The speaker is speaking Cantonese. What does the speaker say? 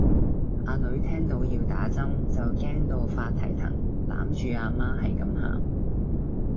阿女聽到要打針就驚到發蹄騰攬住阿媽喺咁喊